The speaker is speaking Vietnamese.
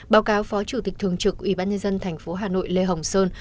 báo cáo phó chủ tịch thường trực ủy ban nhân dân tp hcm lê hồng sơn